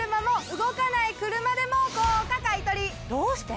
どうして？